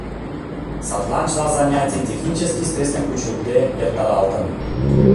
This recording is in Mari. Садлан чыла занятий технический средствым кучылтде эртаралтын.